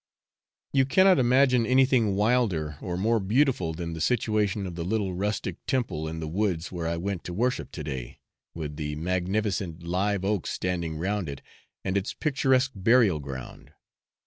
You cannot imagine anything wilder or more beautiful than the situation of the little rustic temple in the woods where I went to worship to day, with the magnificent live oaks standing round it and its picturesque burial ground.